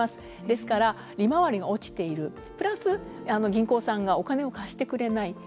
ですから、利回りが落ちているプラス銀行さんがお金を貸してくれない。